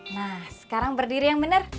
nah sekarang berdiri yang benar